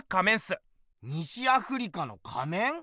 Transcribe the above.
西アフリカの仮面？